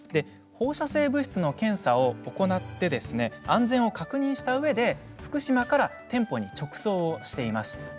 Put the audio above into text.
放射性物質の検査を行って安全を確認したうえで福島から店舗に直送しています。